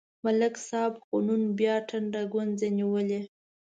ملک صاحب خو نن بیا ټنډه گونځې نیولې